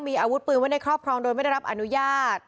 มีอาวุธปืนไว้ในครอบครองโดยไม่ได้รับอนุญาต